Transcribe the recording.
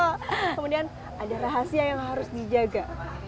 kemudian ada rahasia yang harus dijaga